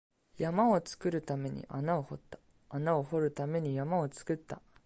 山を作るために穴を掘った、穴を掘るために山を作った